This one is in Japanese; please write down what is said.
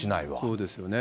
そうですよね。